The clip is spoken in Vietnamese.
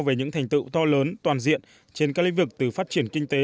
về những thành tựu to lớn toàn diện trên các lĩnh vực từ phát triển kinh tế